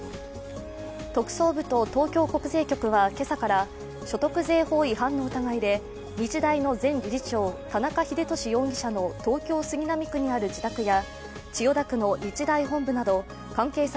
特捜部と東京国税局は今朝から所得税法違反の疑いで日大の前理事長田中英寿容疑者の東京・杉並区のある自宅や千代田区の日大本部など関係先